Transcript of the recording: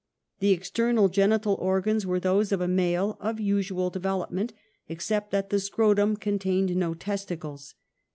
The external genital organs were those of I a male, of usual development except that the scro \ tum contained no testicles.